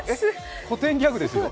古典ギャグですよ。